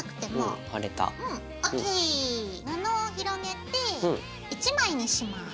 布を広げて１枚にします。